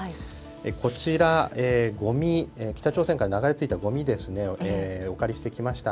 こちら、ごみ、北朝鮮から流れ着いたごみですね、お借りしてきました。